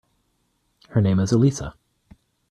Her name is Elisa.